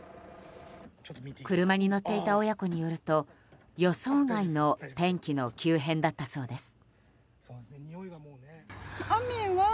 車に乗っていた親子によると予想外の天気の急変だったそうです。